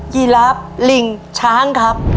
ยีราฟลิงช้าง